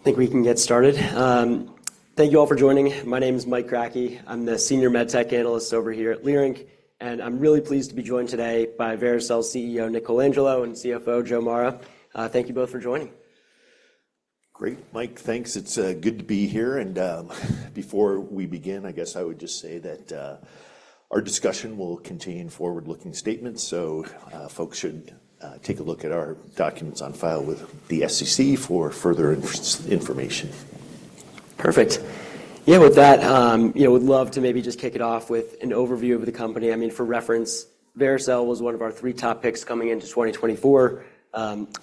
I think we can get started. Thank you all for joining. My name is Mike Kratky. I'm the Senior MedTech Analyst over here at Leerink, and I'm really pleased to be joined today by Vericel's CEO, Nick Colangelo, and CFO, Joe Mara. Thank you both for joining. Great, Mike. Thanks. It's good to be here, and before we begin, I guess I would just say that our discussion will contain forward-looking statements, so folks should take a look at our documents on file with the SEC for further information. Perfect. Yeah, with that, you know, would love to maybe just kick it off with an overview of the company. I mean, for reference, Vericel was one of our three top picks coming into 2024.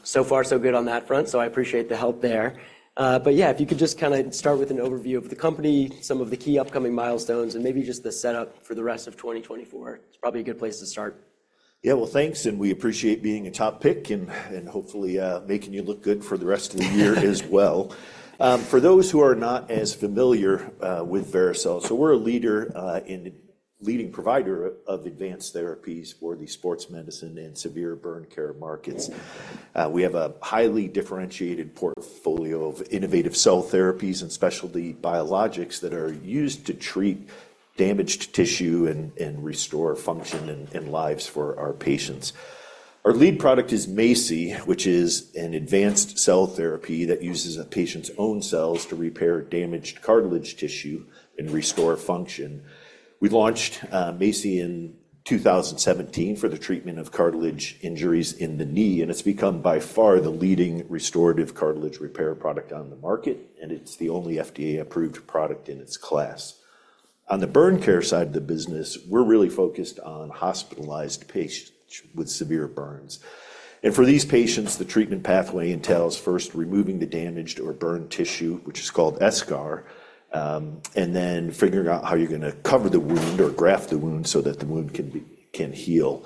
So far, so good on that front, so I appreciate the help there. But yeah, if you could just kind of start with an overview of the company, some of the key upcoming milestones, and maybe just the setup for the rest of 2024. It's probably a good place to start. Yeah, well, thanks, and we appreciate being a top pick, and, and hopefully, making you look good for the rest of the year as well. For those who are not as familiar with Vericel, so we're a leader, in the leading provider of advanced therapies for the sports medicine and severe burn care markets. We have a highly differentiated portfolio of innovative cell therapies and specialty biologics that are used to treat damaged tissue and, and restore function and, and lives for our patients. Our lead product is MACI, which is an advanced cell therapy that uses a patient's own cells to repair damaged cartilage tissue and restore function. We launched MACI in 2017 for the treatment of cartilage injuries in the knee, and it's become by far the leading restorative cartilage repair product on the market, and it's the only FDA-approved product in its class. On the burn care side of the business, we're really focused on hospitalized patients with severe burns. For these patients, the treatment pathway entails first removing the damaged or burned tissue, which is called eschar, and then figuring out how you're going to cover the wound or graft the wound so that the wound can be, can heal.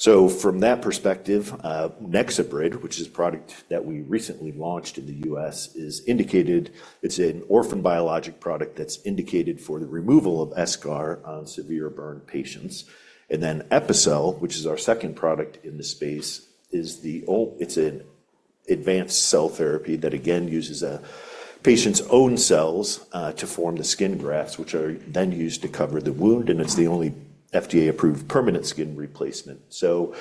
From that perspective, NexoBrid, which is a product that we recently launched in the U.S., is indicated, it's an orphan biologic product that's indicated for the removal of eschar on severe burn patients. And then Epicel, which is our second product in this space, is. It's an advanced cell therapy that, again, uses a patient's own cells to form the skin grafts, which are then used to cover the wound, and it's the only FDA-approved permanent skin replacement. So,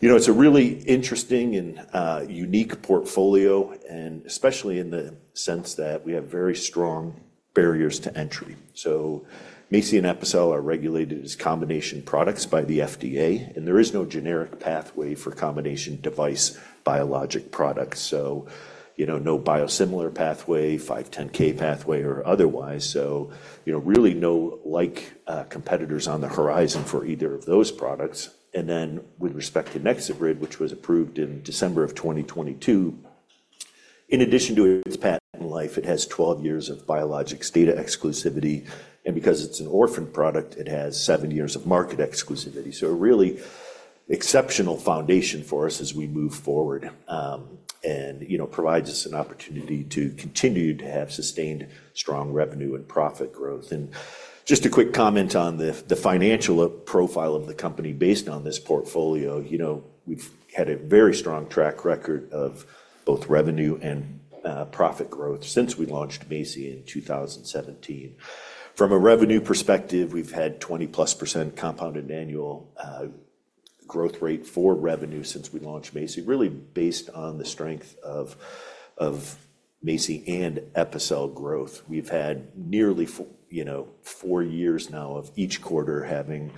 you know, it's a really interesting and unique portfolio, and especially in the sense that we have very strong barriers to entry. So MACI and Epicel are regulated as combination products by the FDA, and there is no generic pathway for combination device biologic products, so, you know, no biosimilar pathway, 510(k) pathway, or otherwise, so, you know, really no like, competitors on the horizon for either of those products. And then with respect to NexoBrid, which was approved in December of 2022, in addition to its patent life, it has 12 years of biologics data exclusivity, and because it's an orphan product, it has seven years of market exclusivity. So a really exceptional foundation for us as we move forward, and, you know, provides us an opportunity to continue to have sustained strong revenue and profit growth. And just a quick comment on the financial profile of the company based on this portfolio. You know, we've had a very strong track record of both revenue and profit growth since we launched MACI in 2017. From a revenue perspective, we've had 20%+ compounded annual growth rate for revenue since we launched MACI, really based on the strength of MACI and Epicel growth. We've had nearly, you know, four years now of each quarter having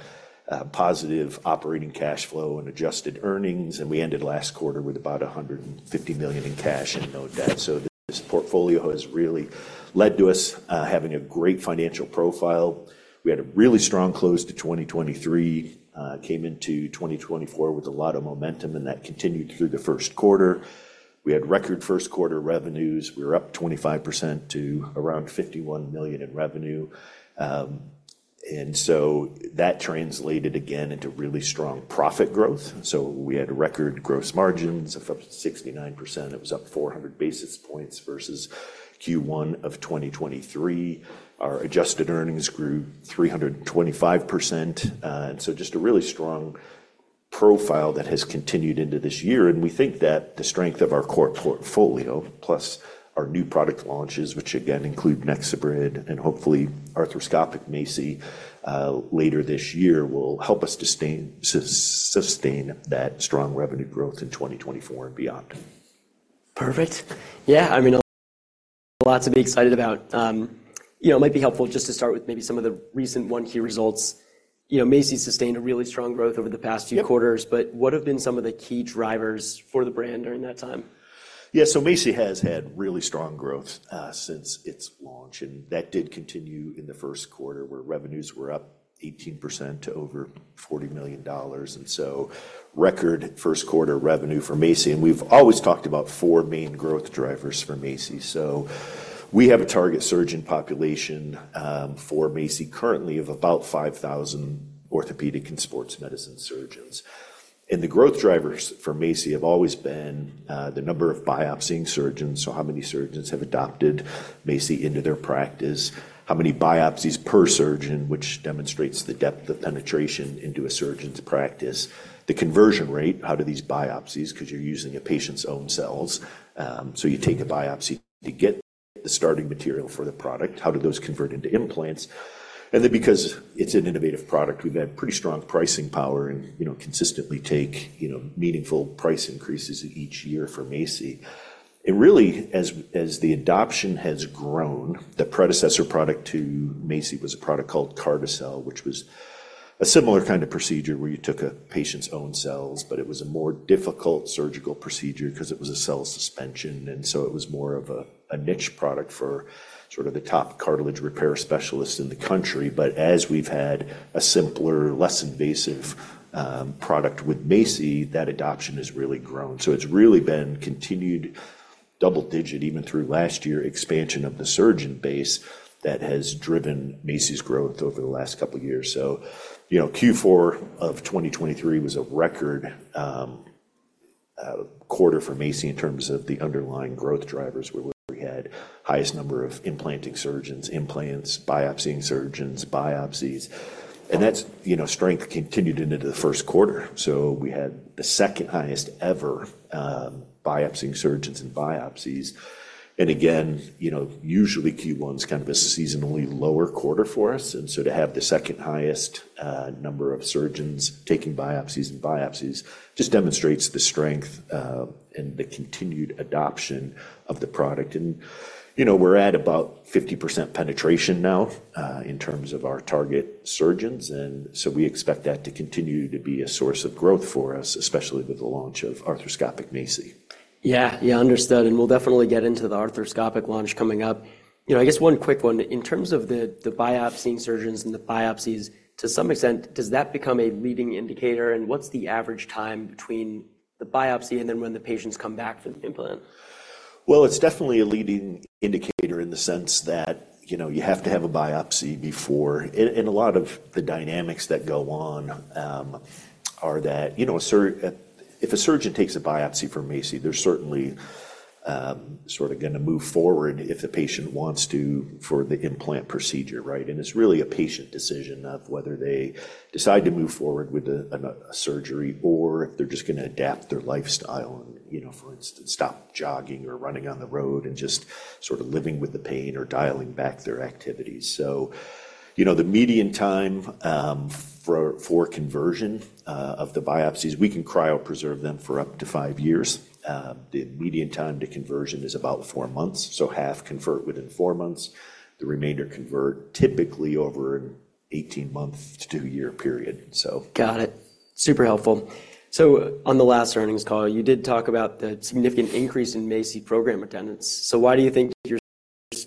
positive operating cash flow and adjusted earnings, and we ended last quarter with about $150 million in cash and no debt. So this portfolio has really led to us having a great financial profile. We had a really strong close to 2023, came into 2024 with a lot of momentum, and that continued through the first quarter. We had record first-quarter revenues. We were up 25% to around $51 million in revenue. And so that translated again into really strong profit growth. So we had record gross margins of up to 69%. It was up 400 basis points versus Q1 of 2023. Our adjusted earnings grew 325%, and so just a really strong profile that has continued into this year, and we think that the strength of our core portfolio, plus our new product launches, which again include NexoBrid and hopefully Arthroscopic MACI, later this year, will help us sustain that strong revenue growth in 2024 and beyond. Perfect. Yeah, I mean, lots to be excited about. You know, it might be helpful just to start with maybe some of the recent Q1 results. You know, MACI's sustained a really strong growth over the past few quarters- Yep. but what have been some of the key drivers for the brand during that time? Yeah, so MACI has had really strong growth since its launch, and that did continue in the first quarter, where revenues were up 18% to over $40 million, and so record first-quarter revenue for MACI. And we've always talked about four main growth drivers for MACI. So we have a target surgeon population for MACI currently of about 5,000 orthopedic and sports medicine surgeons. And the growth drivers for MACI have always been the number of biopsying surgeons, so how many surgeons have adopted MACI into their practice? How many biopsies per surgeon, which demonstrates the depth of penetration into a surgeon's practice, the conversion rate out of these biopsies 'cause you're using a patient's own cells. So you take a biopsy to get the starting material for the product, how do those convert into implants? And then because it's an innovative product, we've had pretty strong pricing power and, you know, consistently take, you know, meaningful price increases each year for MACI. And really, as the adoption has grown, the predecessor product to MACI was a product called Carticel, which was a similar kind of procedure where you took a patient's own cells, but it was a more difficult surgical procedure 'cause it was a cell suspension, and so it was more of a niche product for sort of the top cartilage repair specialists in the country. But as we've had a simpler, less invasive product with MACI, that adoption has really grown. So it's really been continued double-digit, even through last year, expansion of the surgeon base that has driven MACI's growth over the last couple of years. So, you know, Q4 of 2023 was a record quarter for MACI in terms of the underlying growth drivers, where we had highest number of implanting surgeons, implants, biopsying surgeons, biopsies, and that's, you know, strength continued into the first quarter. So we had the second highest ever biopsying surgeons and biopsies. And again, you know, usually Q1 is kind of a seasonally lower quarter for us, and so to have the second highest number of surgeons taking biopsies and biopsies just demonstrates the strength and the continued adoption of the product. And, you know, we're at about 50% penetration now in terms of our target surgeons, and so we expect that to continue to be a source of growth for us, especially with the launch of arthroscopic MACI. Yeah. Yeah, understood, and we'll definitely get into the arthroscopic launch coming up. You know, I guess one quick one. In terms of the biopsying surgeons and the biopsies, to some extent, does that become a leading indicator, and what's the average time between the biopsy and then when the patients come back for the implant? Well, it's definitely a leading indicator in the sense that, you know, you have to have a biopsy before... And a lot of the dynamics that go on are that, you know, if a surgeon takes a biopsy from MACI, they're certainly sort of going to move forward if the patient wants to, for the implant procedure, right? And it's really a patient decision of whether they decide to move forward with a surgery or if they're just going to adapt their lifestyle and, you know, for instance, stop jogging or running on the road and just sort of living with the pain or dialing back their activities. So, you know, the median time for conversion of the biopsies, we can cryopreserve them for up to five years. The median time to conversion is about four months, so half convert within four months. The remainder convert typically over an 18-month to two-year period, so. Got it. Super helpful. So on the last earnings call, you did talk about the significant increase in MACI program attendance. So why do you think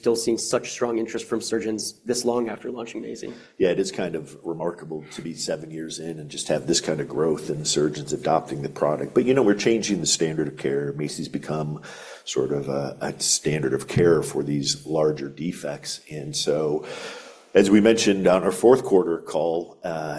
you're still seeing such strong interest from surgeons this long after launching MACI? Yeah, it is kind of remarkable to be seven years in and just have this kind of growth and the surgeons adopting the product. But, you know, we're changing the standard of care. MACI's become sort of a standard of care for these larger defects, and so as we mentioned on our fourth quarter call,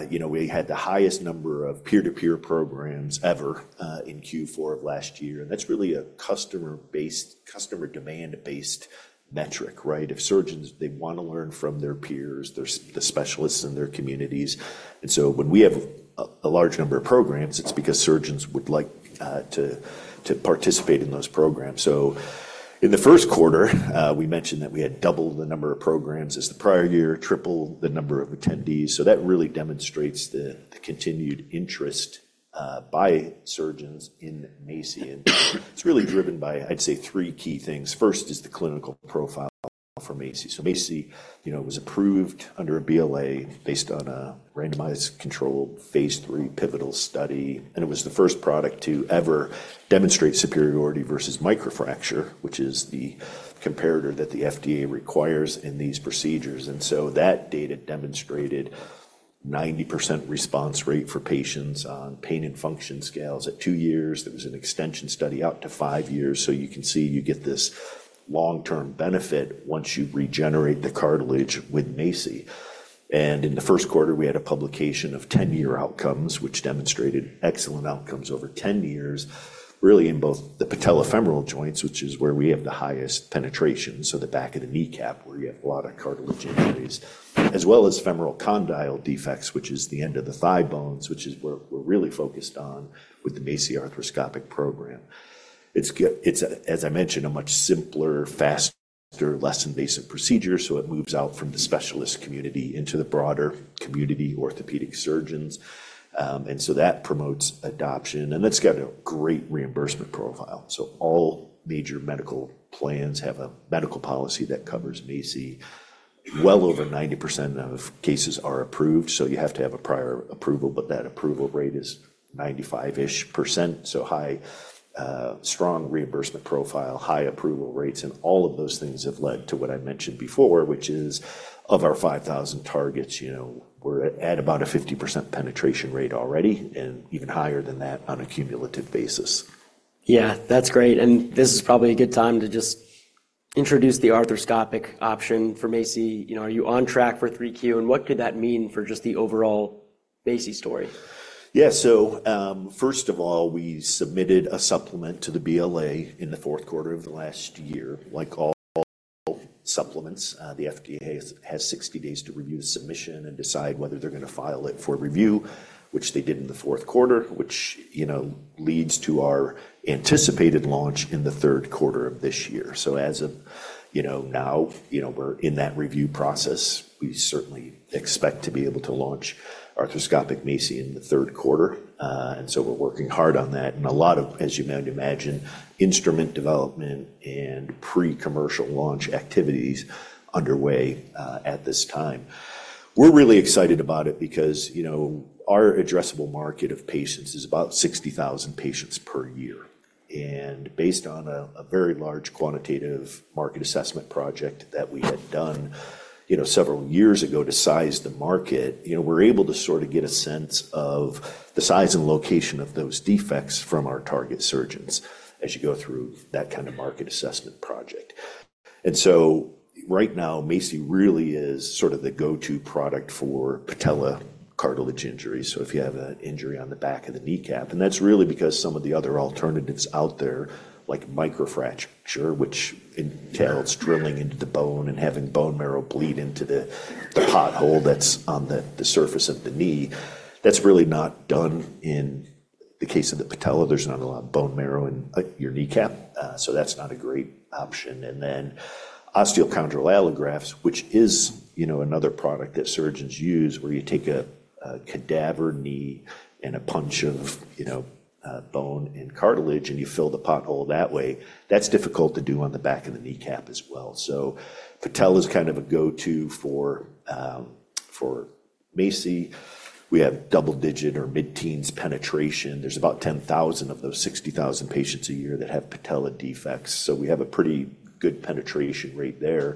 you know, we had the highest number of peer-to-peer programs ever in Q4 of last year, and that's really a customer-based, customer demand-based metric, right? If surgeons, they want to learn from their peers, their the specialists in their communities. And so when we have a large number of programs, it's because surgeons would like to participate in those programs. So in the first quarter, we mentioned that we had doubled the number of programs as the prior year, tripled the number of attendees, so that really demonstrates the continued interest by surgeons in MACI. And it's really driven by, I'd say, three key things. First is the clinical profile for MACI. So MACI, you know, was approved under a BLA based on a randomized controlled Phase III pivotal study, and it was the first product to ever demonstrate superiority versus microfracture, which is the comparator that the FDA requires in these procedures. And so that data demonstrated 90% response rate for patients on pain and function scales at two years. There was an extension study out to five years. So you can see you get this long-term benefit once you regenerate the cartilage with MACI. In the first quarter, we had a publication of 10-year outcomes, which demonstrated excellent outcomes over 10 years, really in both the patellofemoral joints, which is where we have the highest penetration, so the back of the kneecap, where you have a lot of cartilage injuries, as well as femoral condyle defects, which is the end of the thigh bones, which is where we're really focused on with the MACI arthroscopic program. It's, as I mentioned, a much simpler, faster, less invasive procedure, so it moves out from the specialist community into the broader community orthopedic surgeons. And so that promotes adoption, and it's got a great reimbursement profile. So all major medical plans have a medical policy that covers MACI. Well over 90% of cases are approved, so you have to have a prior approval, but that approval rate is 95-ish%. So, high, strong reimbursement profile, high approval rates, and all of those things have led to what I mentioned before, which is of our 5,000 targets, you know, we're at about a 50% penetration rate already, and even higher than that on a cumulative basis. Yeah, that's great. And this is probably a good time to just introduce the arthroscopic option for MACI. You know, are you on track for 3Q, and what could that mean for just the overall MACI story? Yeah. So, first of all, we submitted a supplement to the BLA in the fourth quarter of the last year, like all supplements. The FDA has 60 days to review the submission and decide whether they're gonna file it for review, which they did in the fourth quarter, which, you know, leads to our anticipated launch in the third quarter of this year. So as of, you know, now, you know, we're in that review process, we certainly expect to be able to launch Arthroscopic MACI in the third quarter. And so we're working hard on that. And a lot of, as you might imagine, instrument development and pre-commercial launch activities underway, at this time. We're really excited about it because, you know, our addressable market of patients is about 60,000 patients per year. Based on a very large quantitative market assessment project that we had done, you know, several years ago to size the market, you know, we're able to sort of get a sense of the size and location of those defects from our target surgeons as you go through that kind of market assessment project. And so right now, MACI really is sort of the go-to product for patella cartilage injuries, so if you have an injury on the back of the kneecap, and that's really because some of the other alternatives out there, like microfracture, which entails drilling into the bone and having bone marrow bleed into the pothole that's on the surface of the knee, that's really not done in the case of the patella. There's not a lot of bone marrow in, like, your kneecap, so that's not a great option. And then osteochondral allografts, which is, you know, another product that surgeons use, where you take a cadaver knee and a punch of, you know, bone and cartilage, and you fill the pothole that way. That's difficult to do on the back of the kneecap as well. So patella is kind of a go-to for for MACI. We have double-digit or mid-teens penetration. There's about 10,000 of those 60,000 patients a year that have patella defects, so we have a pretty good penetration rate there.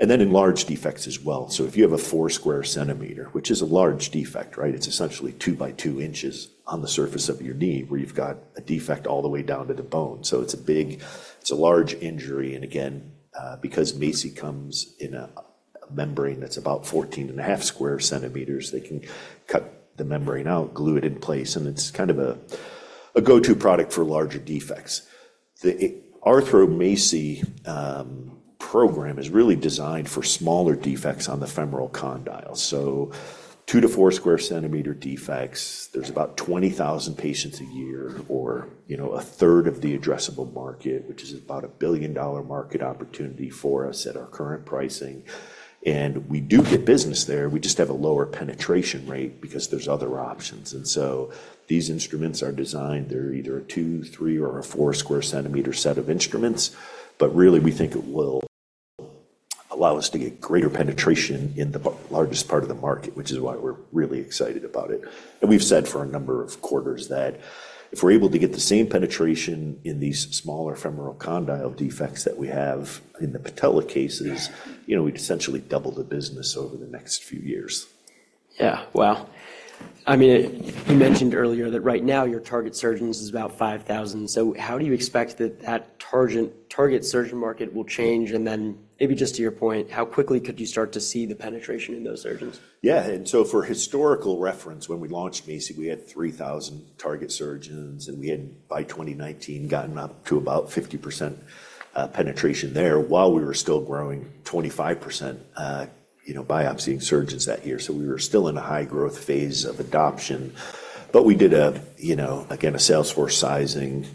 And then in large defects as well, so if you have a 4sq cm, which is a large defect, right? It's essentially 2 x 2 inches on the surface of your knee, where you've got a defect all the way down to the bone. It's a large injury, and again, because MACI comes in a membrane that's about 14.5sq cm, they can cut the membrane out, glue it in place, and it's kind of a go-to product for larger defects. The Arthro MACI program is really designed for smaller defects on the femoral condyle, so 2sq cm–4sq cm. There's about 20,000 patients a year, or, you know, a third of the addressable market, which is about a billion-dollar market opportunity for us at our current pricing. And we do get business there. We just have a lower penetration rate because there's other options. These instruments are designed; they're either a 2sq cm, 3sq cm, or 4sq cm set of instruments, but really, we think it will allow us to get greater penetration in the largest part of the market, which is why we're really excited about it. We've said for a number of quarters that if we're able to get the same penetration in these smaller femoral condyle defects that we have in the patella cases, you know, we'd essentially double the business over the next few years. Yeah. Wow. I mean, you mentioned earlier that right now, your target surgeons is about 5,000. So how do you expect that target surgeon market will change? And then maybe just to your point, how quickly could you start to see the penetration in those surgeons? Yeah, and so for historical reference, when we launched MACI, we had 3,000 target surgeons, and we had, by 2019, gotten up to about 50% penetration there while we were still growing 25%, you know, biopsying surgeons that year. So we were still in a high growth phase of adoption. But we did a, you know, again, a sales force sizing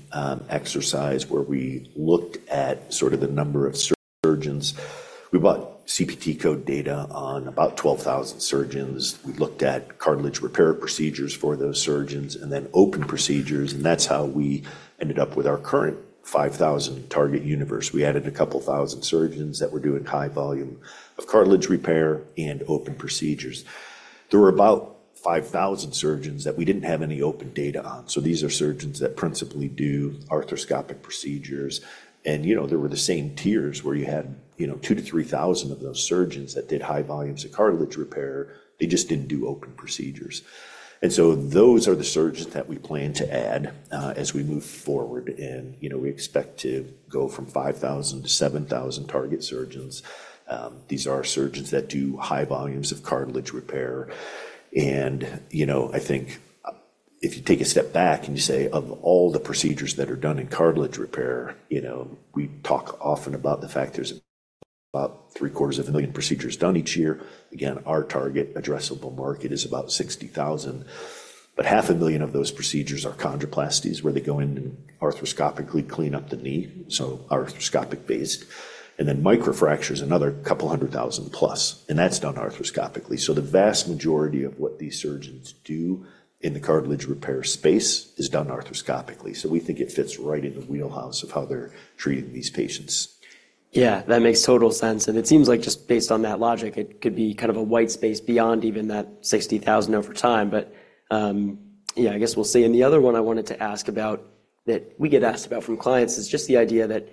exercise where we looked at sort of the number of surgeons. We bought CPT code data on about 12,000 surgeons. We looked at cartilage repair procedures for those surgeons and then open procedures, and that's how we ended up with our current 5,000 target universe. We added a couple of thousand surgeons that were doing high volume of cartilage repair and open procedures. There were about 5,000 surgeons that we didn't have any open data on, so these are surgeons that principally do arthroscopic procedures. And, you know, they were the same tiers where you had, you know, 2,000-3,000 of those surgeons that did high volumes of cartilage repair. They just didn't do open procedures. And so those are the surgeons that we plan to add as we move forward, and, you know, we expect to go from 5,000-7,000 target surgeons. These are surgeons that do high volumes of cartilage repair. And, you know, I think, if you take a step back and you say, "Of all the procedures that are done in cartilage repair," you know, we talk often about the fact there's about 750,000 procedures done each year. Again, our target addressable market is about 60,000, but 500,000 of those procedures are chondroplasties, where they go in and arthroscopically clean up the knee, so arthroscopic-based. And then microfracture is another couple hundred thousand plus, and that's done arthroscopically. So the vast majority of what these surgeons do in the cartilage repair space is done arthroscopically, so we think it fits right in the wheelhouse of how they're treating these patients. Yeah, that makes total sense, and it seems like just based on that logic, it could be kind of a white space beyond even that 60,000 over time. But, yeah, I guess we'll see. And the other one I wanted to ask about, that we get asked about from clients, is just the idea that,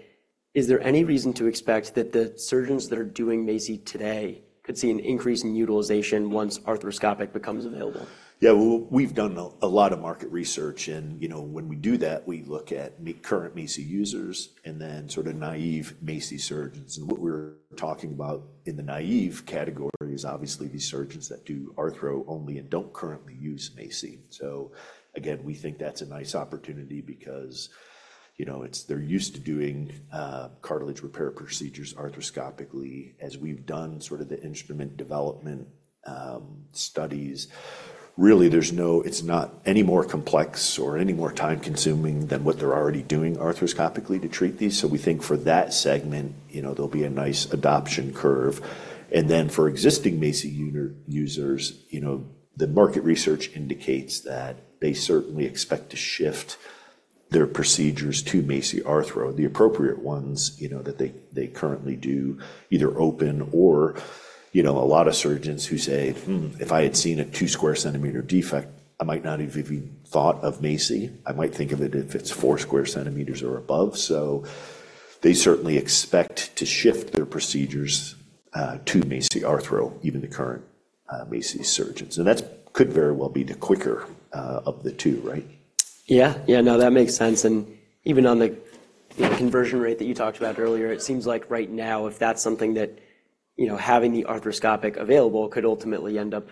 is there any reason to expect that the surgeons that are doing MACI today could see an increase in utilization once arthroscopic becomes available? Yeah, well, we've done a lot of market research, and, you know, when we do that, we look at the current MACI users and then sort of naive MACI surgeons. And what we're talking about in the naive category is obviously these surgeons that do arthro only and don't currently use MACI. So again, we think that's a nice opportunity because... You know, it's, they're used to doing cartilage repair procedures arthroscopically, as we've done sort of the instrument development studies. Really, there's no—it's not any more complex or any more time-consuming than what they're already doing arthroscopically to treat these. So we think for that segment, you know, there'll be a nice adoption curve, and then for existing MACI user, users, you know, the market research indicates that they certainly expect to shift their procedures to MACI Arthro, the appropriate ones, you know, that they, they currently do, either open or, you know, a lot of surgeons who say, "Hmm, if I had seen a 2sq cm defect, I might not even have even thought of MACI. I might think of it if it's 4sq cm or above." So they certainly expect to shift their procedures to MACI Arthro, even the current MACI surgeons. And that could very well be the quicker of the two, right? Yeah. Yeah, no, that makes sense. And even on the, you know, conversion rate that you talked about earlier, it seems like right now, if that's something that, you know, having the arthroscopic available could ultimately end up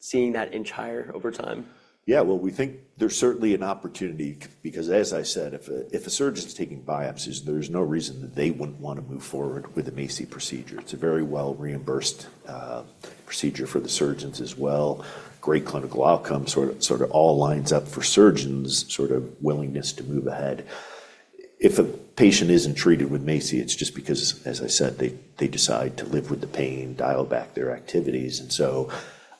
seeing that inch higher over time. Yeah, well, we think there's certainly an opportunity because, as I said, if a surgeon's taking biopsies, there's no reason that they wouldn't want to move forward with a MACI procedure. It's a very well-reimbursed procedure for the surgeons as well. Great clinical outcome, sort of all lines up for surgeons' sort of willingness to move ahead. If a patient isn't treated with MACI, it's just because, as I said, they decide to live with the pain, dial back their activities. And so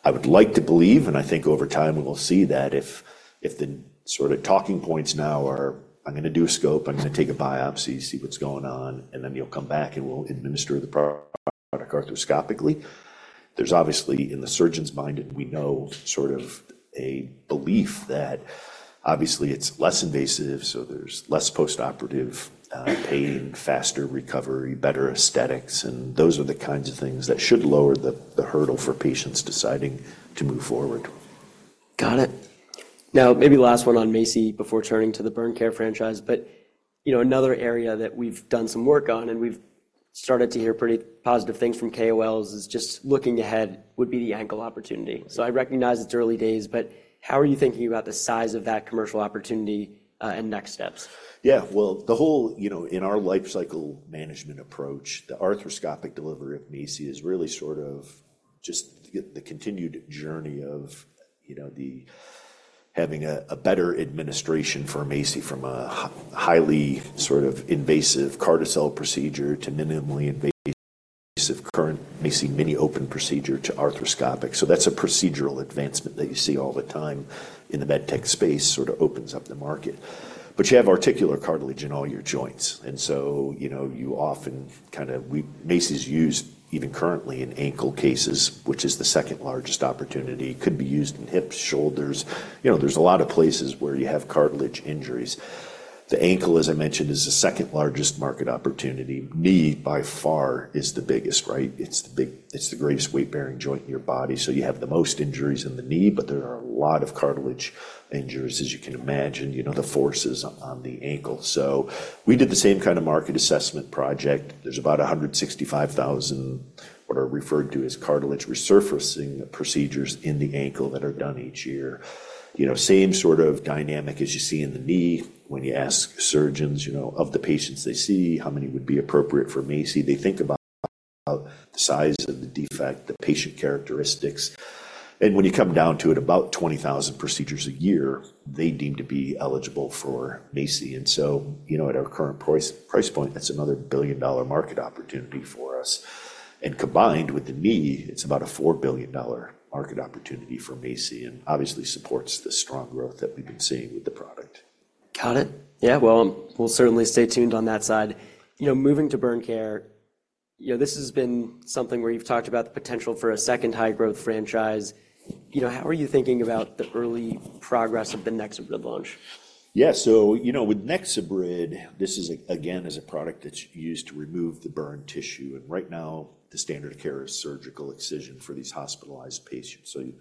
I would like to believe, and I think over time, we will see that if, if the sort of talking points now are, "I'm gonna do a scope, I'm gonna take a biopsy, see what's going on, and then you'll come back, and we'll administer the product arthroscopically," there's obviously, in the surgeon's mind, and we know sort of a belief that obviously it's less invasive, so there's less postoperative pain, faster recovery, better aesthetics, and those are the kinds of things that should lower the hurdle for patients deciding to move forward. Got it. Now, maybe last one on MACI before turning to the burn care franchise, but, you know, another area that we've done some work on, and we've started to hear pretty positive things from KOLs, is just looking ahead would be the ankle opportunity. So I recognize it's early days, but how are you thinking about the size of that commercial opportunity, and next steps? Yeah, well, the whole, you know, in our lifecycle management approach, the arthroscopic delivery of MACI is really sort of just the continued journey of, you know, having a better administration for MACI from a highly sort of invasive Carticel procedure to minimally invasive current MACI mini-open procedure to arthroscopic. So that's a procedural advancement that you see all the time in the med tech space, sort of opens up the market. But you have articular cartilage in all your joints, and so, you know, you often kind of... MACI's used even currently in ankle cases, which is the second-largest opportunity, could be used in hips, shoulders. You know, there's a lot of places where you have cartilage injuries. The ankle, as I mentioned, is the second-largest market opportunity. Knee, by far, is the biggest, right? It's the greatest weight-bearing joint in your body, so you have the most injuries in the knee, but there are a lot of cartilage injuries, as you can imagine, you know, the forces on, on the ankle. So we did the same kind of market assessment project. There's about 165,000, what are referred to as cartilage resurfacing procedures in the ankle that are done each year. You know, same sort of dynamic as you see in the knee when you ask surgeons, you know, of the patients they see, how many would be appropriate for MACI? They think about, about the size of the defect, the patient characteristics, and when you come down to it, about 20,000 procedures a year, they deem to be eligible for MACI. So, you know, at our current price, price point, that's another billion-dollar market opportunity for us. Combined with the knee, it's about a four billion dollar market opportunity for MACI and obviously supports the strong growth that we've been seeing with the product. Got it. Yeah, well, we'll certainly stay tuned on that side. You know, moving to burn care, you know, this has been something where you've talked about the potential for a second high-growth franchise. You know, how are you thinking about the early progress of the NexoBrid launch? Yeah, so you know, with NexoBrid, this is, again, is a product that's used to remove the burn tissue, and right now, the standard of care is surgical excision for these hospitalized patients. So you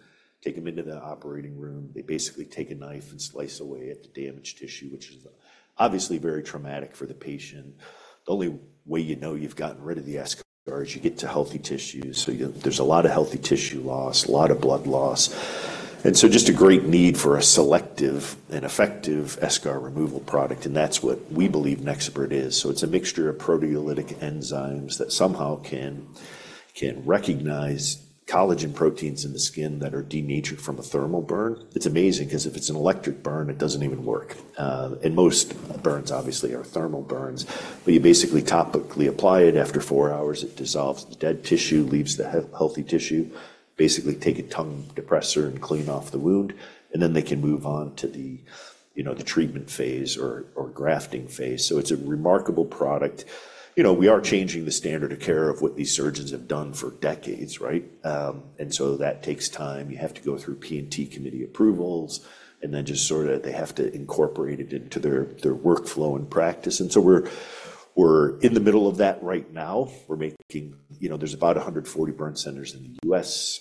take them into the operating room, they basically take a knife and slice away at the damaged tissue, which is obviously very traumatic for the patient. The only way you know you've gotten rid of the eschar is you get to healthy tissue. So you, there's a lot of healthy tissue loss, a lot of blood loss, and so just a great need for a selective and effective eschar removal product, and that's what we believe NexoBrid is. So it's a mixture of proteolytic enzymes that somehow can, can recognize collagen proteins in the skin that are denatured from a thermal burn. It's amazing because if it's an electric burn, it doesn't even work. And most burns, obviously, are thermal burns, but you basically topically apply it. After four hours, it dissolves the dead tissue, leaves the healthy tissue, basically take a tongue depressor and clean off the wound, and then they can move on to the, you know, the treatment phase or, or grafting phase. So it's a remarkable product. You know, we are changing the standard of care of what these surgeons have done for decades, right? And so that takes time. You have to go through P&T committee approvals, and then just sort of, they have to incorporate it into their, their workflow and practice. And so we're, we're in the middle of that right now. We're making... You know, there's about 140 burn centers in the U.S.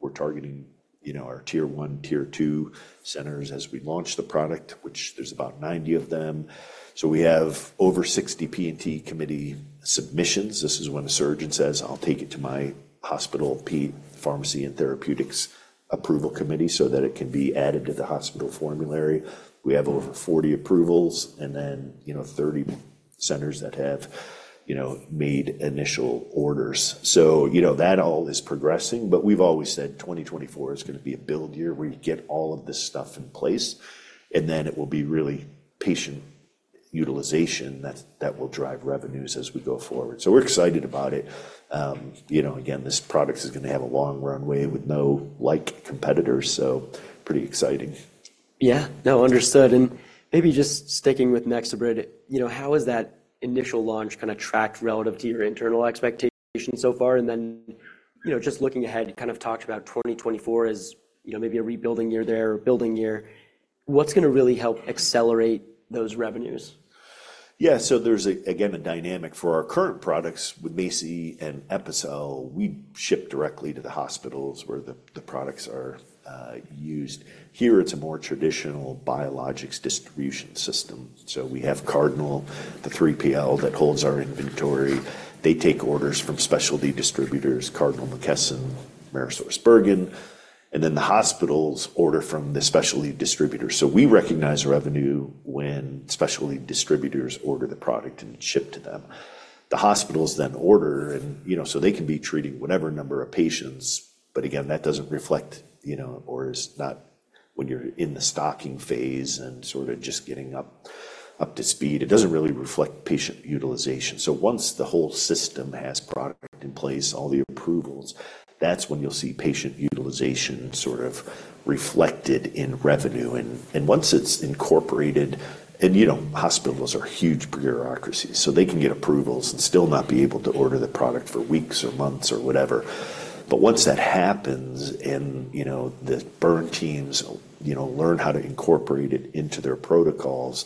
We're targeting, you know, our Tier One, Tier Two centers as we launch the product, which there's about 90 of them. So we have over 60 P&T committee submissions. This is when a surgeon says, "I'll take it to my hospital P, Pharmacy and Therapeutics Approval Committee so that it can be added to the hospital formulary." We have over 40 approvals, and then, you know, 30 centers that have, you know, made initial orders. So, you know, that all is progressing, but we've always said 2024 is gonna be a build year, where you get all of this stuff in place, and then it will be really patient utilization that, that will drive revenues as we go forward. So we're excited about it. You know, again, this product is gonna have a long runway with no like competitors, so pretty exciting. Yeah. No, understood. And maybe just sticking with NexoBrid, you know, how has that initial launch kind of tracked relative to your internal expectations so far? And then, you know, just looking ahead, you kind of talked about 2024 as, you know, maybe a rebuilding year there or building year. What's gonna really help accelerate those revenues? Yeah, so there's again a dynamic for our current products with MACI and Epicel. We ship directly to the hospitals where the products are used. Here, it's a more traditional biologics distribution system. So we have Cardinal, the 3PL that holds our inventory. They take orders from specialty distributors, Cardinal, McKesson, AmerisourceBergen, and then the hospitals order from the specialty distributors. So we recognize revenue when specialty distributors order the product and ship to them. The hospitals then order, and, you know, so they can be treating whatever number of patients, but again, that doesn't reflect, you know, or is not when you're in the stocking phase and sort of just getting up to speed. It doesn't really reflect patient utilization. So once the whole system has product in place, all the approvals, that's when you'll see patient utilization sort of reflected in revenue. And once it's incorporated... And, you know, hospitals are huge bureaucracies, so they can get approvals and still not be able to order the product for weeks or months or whatever. But once that happens and, you know, the burn teams, you know, learn how to incorporate it into their protocols,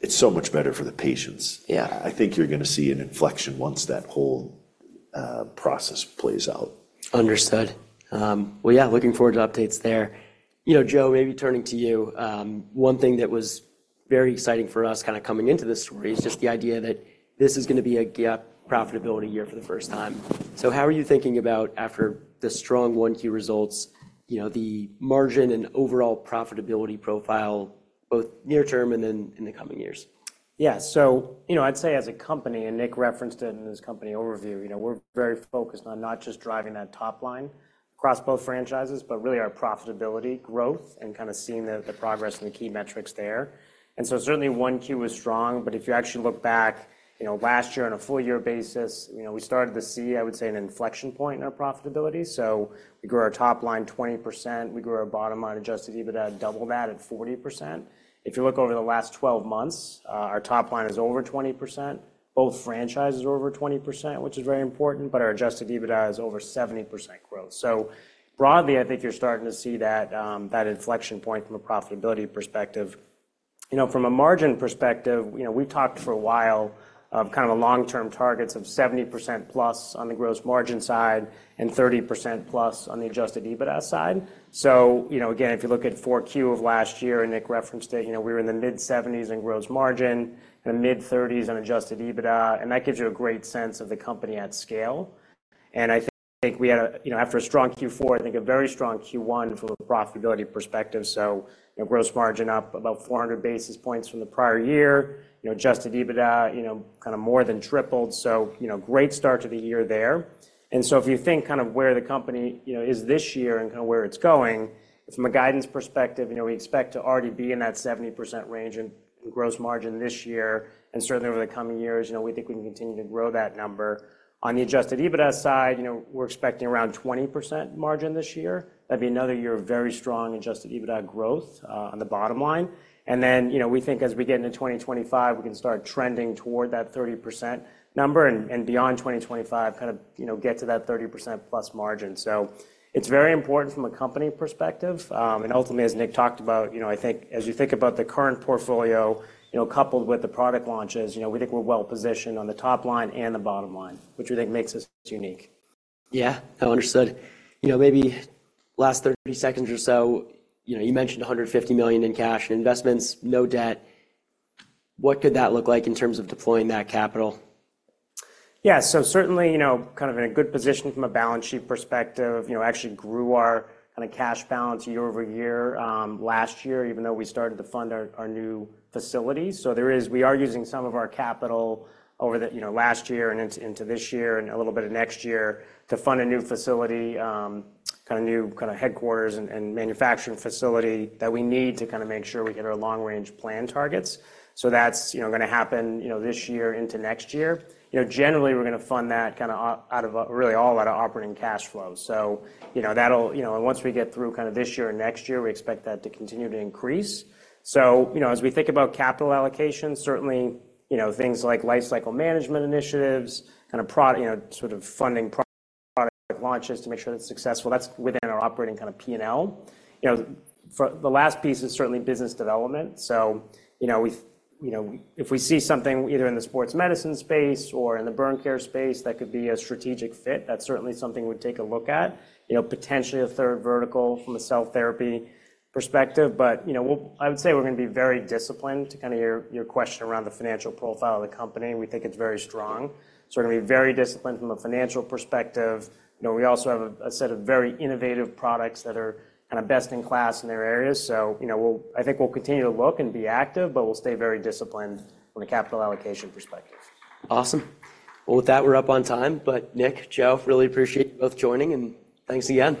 it's so much better for the patients. Yeah. I think you're gonna see an inflection once that whole process plays out. Understood. Well, yeah, looking forward to updates there. You know, Joe, maybe turning to you, one thing that was very exciting for us kind of coming into this story is just the idea that this is gonna be a GAAP profitability year for the first time. So how are you thinking about after the strong 1Q results, you know, the margin and overall profitability profile, both near term and then in the coming years? Yeah. So, you know, I'd say as a company, and Nick referenced it in his company overview, you know, we're very focused on not just driving that top line across both franchises, but really our profitability, growth, and kind of seeing the progress in the key metrics there. And so certainly, Q1 was strong, but if you actually look back, you know, last year on a full year basis, you know, we started to see, I would say, an inflection point in our profitability. So we grew our top line 20%. We grew our bottom line, adjusted EBITDA, double that at 40%. If you look over the last 12 months, our top line is over 20%. Both franchises are over 20%, which is very important, but our adjusted EBITDA is over 70% growth. So broadly, I think you're starting to see that, that inflection point from a profitability perspective. You know, from a margin perspective, you know, we've talked for a while of kind of a long-term targets of 70%+ on the gross margin side and 30%+ on the adjusted EBITDA side. So, you know, again, if you look at 4Q of last year, and Nick referenced it, you know, we were in the mid-70s in gross margin, the mid-30s on adjusted EBITDA, and that gives you a great sense of the company at scale. And I think we had a, you know, after a strong Q4, I think a very strong Q1 from a profitability perspective, so, you know, gross margin up about 400 basis points from the prior year. You know, adjusted EBITDA, you know, kind of more than tripled, so, you know, great start to the year there. And so if you think kind of where the company, you know, is this year and kind of where it's going, from a guidance perspective, you know, we expect to already be in that 70% range in gross margin this year, and certainly over the coming years, you know, we think we can continue to grow that number. On the adjusted EBITDA side, you know, we're expecting around 20% margin this year. That'd be another year of very strong adjusted EBITDA growth on the bottom line. And then, you know, we think as we get into 2025, we can start trending toward that 30% number, and beyond 2025, kind of, you know, get to that 30%+ margin. It's very important from a company perspective, and ultimately, as Nick talked about, you know, I think as you think about the current portfolio, you know, coupled with the product launches, you know, we think we're well-positioned on the top line and the bottom line, which we think makes us unique. Yeah. No, understood. You know, maybe last 30 seconds or so, you know, you mentioned $150 million in cash and investments, no debt. What could that look like in terms of deploying that capital? Yeah, so certainly, you know, kind of in a good position from a balance sheet perspective. You know, actually grew our kind of cash balance year-over-year, last year, even though we started to fund our new facilities. So we are using some of our capital over the, you know, last year and into this year and a little bit of next year to fund a new facility, kind of new kind of headquarters and manufacturing facility that we need to kind of make sure we hit our long-range plan targets. So that's, you know, gonna happen, you know, this year into next year. You know, generally, we're gonna fund that kind of out of, really, all out of operating cash flow. So, you know, that'll, you know... Once we get through kind of this year and next year, we expect that to continue to increase. So, you know, as we think about capital allocation, certainly, you know, things like life cycle management initiatives, kind of pro-- you know, sort of funding pro- product launches to make sure that's successful, that's within our operating kind of P&L. You know, for-- the last piece is certainly business development. So, you know, we, you know, if we see something either in the sports medicine space or in the burn care space, that could be a strategic fit, that's certainly something we'd take a look at. You know, potentially a third vertical from a cell therapy perspective, but, you know, we'll-- I would say we're gonna be very disciplined to kind of hear your question around the financial profile of the company. We think it's very strong, so we're gonna be very disciplined from a financial perspective. You know, we also have a set of very innovative products that are kind of best in class in their areas. So, you know, we'll, I think we'll continue to look and be active, but we'll stay very disciplined from a capital allocation perspective. Awesome. Well, with that, we're up on time, but Nick, Joe, really appreciate you both joining, and thanks again.